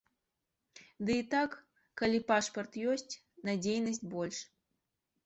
Ды і так, калі пашпарт ёсць, надзейнасці больш.